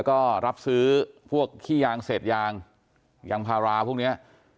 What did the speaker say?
ก็รับซื้อพวกขี้ยางเศษยางยางพาราพวกนี้